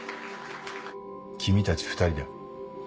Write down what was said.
君たち二人だ。